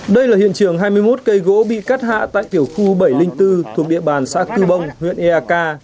đây là hiện trường hai mươi một cây gỗ bị cắt hạ tại tiểu khu bảy trăm linh bốn thuộc địa bàn xã cư bông huyện eak